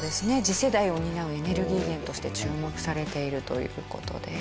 次世代を担うエネルギー源として注目されているという事です。